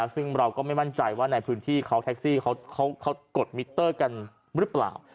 ซึ่งเราก็ไม่มั่นใจว่าในพื้นที่เขาแท็กซี่เขากดมิเตอร์กันหรือเปล่า